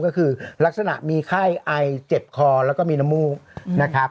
ก็คือลักษณะมีไข้ไอเจ็บคอแล้วก็มีน้ำมูกนะครับ